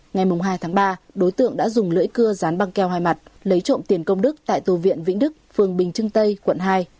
ngày hai tháng ba đối tượng đã dùng lưỡi cưa rán băng keo hai mặt lấy trộm tiền công đức tại tù viện vĩnh đức phường bình trưng tây quận hai